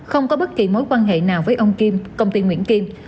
không có bất kỳ mối quan hệ nào với ông kim công ty nguyễn kim